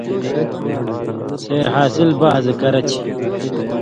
سیر حاصِل بَہزہ کرچھی۔